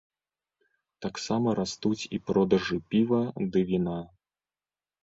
Таксама растуць і продажы піва ды віна.